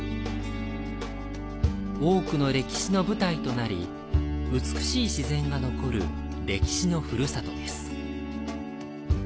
多くの歴史の舞台となり、美しい自然が残る歴史のふるさとです。